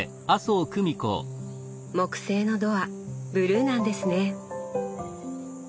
木製のドアブルーなんですね。